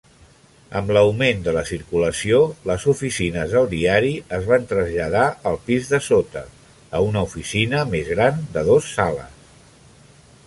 Amb l'augment de la circulació, les oficines del diari es van traslladar al pis de sota, a una oficina més gran de dos sales.